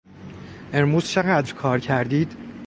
امروز چقدر کار کردید؟